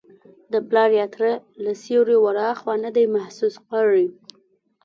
د پلار یا تره له سیوري وراخوا نه دی محسوس کړی.